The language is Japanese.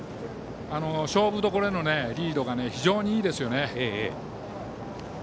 勝負どころでのリードが非常にいいですよね。